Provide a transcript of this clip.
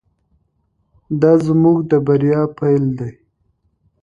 دا زموږ د بریا پیل دی.